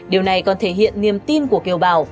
điều này còn thể hiện niềm tin của kiều bào